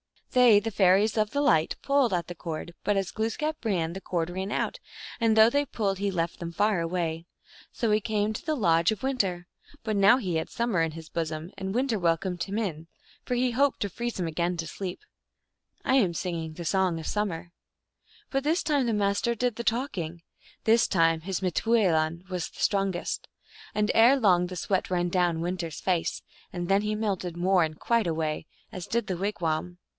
They, the fairies of Light, pulled at the cord, but as Glooskap ran, the cord ran out, and though they pulled he left them far away. So he came to the lodge GLOOSKAP THE DIVINITY. 135 of Winter, but now he had Summer in his bosom ; and Winter welcomed him, for he hoped to freeze him again to sleep. I am singing the song of Summer. But this time the Master did the talking. This time his m teoidin was the strongest. And ere long the sweat ran down Winter s face, and then he melted more and quite away, as did the wigwam.